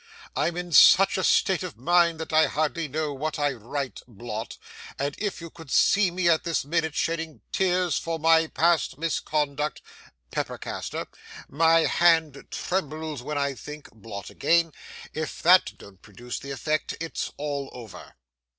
"I'm in such a state of mind that I hardly know what I write" blot "if you could see me at this minute shedding tears for my past misconduct" pepper castor "my hand trembles when I think" blot again if that don't produce the effect, it's all over.